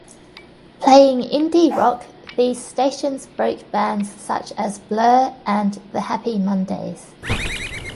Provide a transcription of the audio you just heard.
Playing indie rock, these stations broke bands such as Blur and The Happy Mondays.